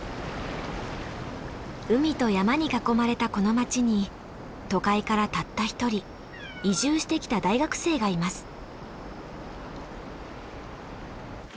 海と山に囲まれたこの町に都会からたった一人移住してきた大学生がいます。